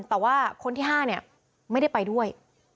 แต่ว่าคนที่๕เนี่ยไม่ได้ไปด้วย